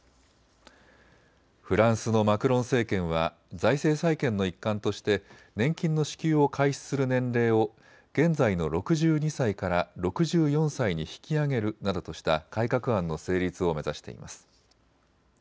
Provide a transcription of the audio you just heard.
フランスのマクロン政権は財政再建の一環として年金の支給を開始する年齢を現在の６２歳から６４歳に引き上げるなどとした改革案の成立を目指しています。